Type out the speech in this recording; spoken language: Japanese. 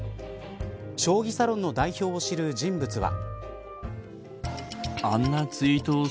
将棋サロンの代表を知る人物は。